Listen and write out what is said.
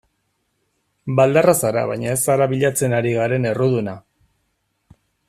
Baldarra zara baina ez zara bilatzen ari garen erruduna.